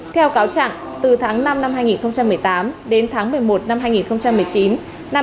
theo cáo trạng từ tháng năm năm hai nghìn một mươi tám đến tháng một mươi một năm hai nghìn một mươi chín